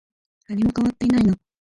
何も変わっていないな。